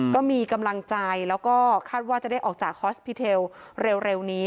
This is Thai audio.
ก็มีกำลังใจแล้วก็คาดว่าจะได้ออกจากฮอสพิเทลเร็วนี้